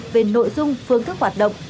về nội dung phương thức hoạt động